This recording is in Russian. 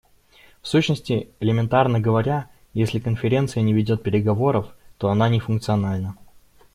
В сущности, элементарно говоря, если Конференция не ведет переговоров, то она не функциональна.